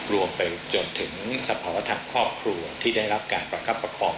รวมไปจนถึงสภาวะทางครอบครัวที่ได้รับการประคับประคอง